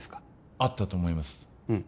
あったと思います